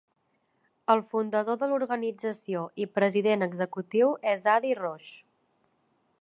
El fundador de l'organització i president executiu és Adi Roche.